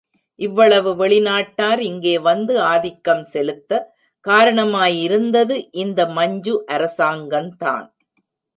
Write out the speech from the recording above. இவ்வளவு வெளிநாட்டார் இங்கே வந்து ஆதிக்கம் செலுத்த காரணமாயிருந்தது இந்த மஞ்சு அரசாங்கத்தான்.